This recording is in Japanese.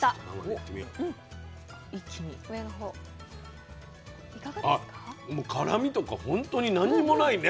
あっもう辛みとか本当に何もないね。